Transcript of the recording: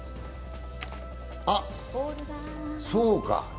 あっ、そうか。